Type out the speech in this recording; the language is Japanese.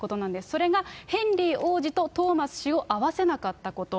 それがヘンリー王子とトーマス氏を会わせなかったこと。